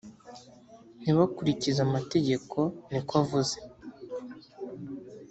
ntibakurikize amategeko niko avuze